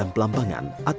masjid sunan giri